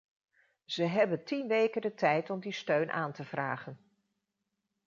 Ze hebben tien weken de tijd om die steun aan te vragen.